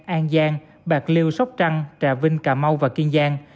an giang bạc liêu sóc trăng trà vinh cà mau và kiên giang